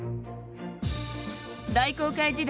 大航海時代